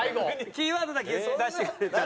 キーワードだけ出してくれたら。